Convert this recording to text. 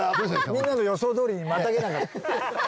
みんなの予想通りにまたげなかった。